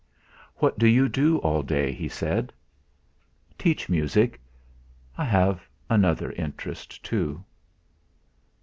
"What do you do all day?" he said. "Teach music; I have another interest, too."